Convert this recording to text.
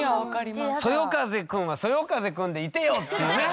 そよ風くんはそよ風くんでいてよっていうね。